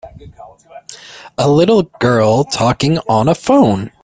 A little girl talking on a phone